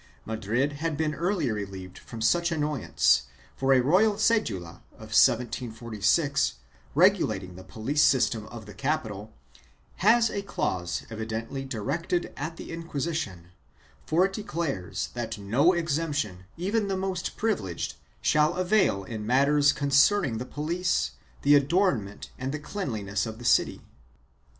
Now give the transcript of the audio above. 1 Madrid had been earlier relieved from such annoyance, for a royal cedula of 1746, regulating the police system of the capital, has a clause evidently directed at the Inquisition for it declares that no exemption, even the most privileged, shall avail in matters concerning the police, the adornment and the cleanliness of the city.